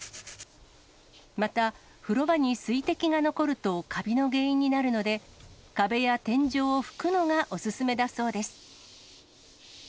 また、風呂場に水滴が残るとかびの原因になるので、壁や天井を拭くのがお勧めだそうです。